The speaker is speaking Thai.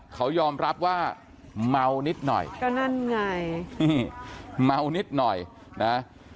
เขายอมรับว่าเมานิดหน่อยก็นั่นไงนี่เมานิดหน่อยนะ